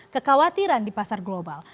dan akan menaikkan kekhawatiran di pasar global